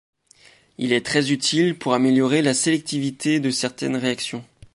Il est très utile pour améliorer la sélectivité de certaines réactions.